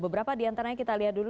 beberapa di antaranya kita lihat dulu